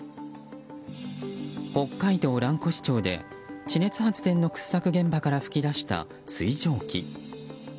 北海道蘭越町で地熱発電の掘削現場から噴き出した水蒸気。